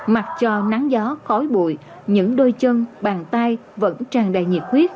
mặc cho nắng gió khói bụi những đôi chân bàn tay vẫn tràn đầy nhiệt huyết